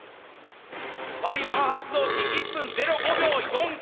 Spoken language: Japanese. Ｙマハ発動機１分０５秒４９。